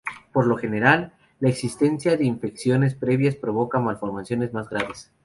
Por lo general, la existencia de infecciones previas provoca malformaciones más graves.